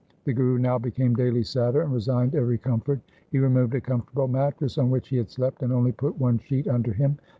The Guru now became daily sadder and resigned every comfort. He removed a comfortable mattress on which he had slept and only put one sheet under him.